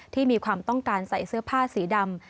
มีความต้องการใส่เสื้อผ้าสีดำ